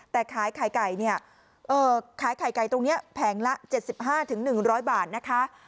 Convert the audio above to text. แต่ขายไข่ไก่เนี้ยเอ่อขายไข่ไก่ตรงเนี้ยแพงละเศษสิบห้าถึงหนึ่งร้อยบาทนะคะ